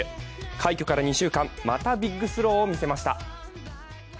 快挙から２週間、またビッグスローを見せました。